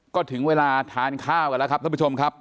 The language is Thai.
ก็ถึงเวลาทานข้าวกันแล้วครับท่านผู้ชมครับ